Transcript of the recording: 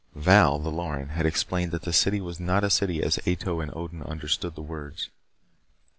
Val the Loren had explained that the city was not a city as Ato and Odin understood the words.